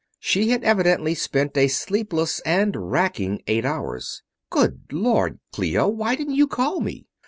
She had evidently spent a sleepless and wracking eight hours. "Good Lord, Clio, why didn't you call me?"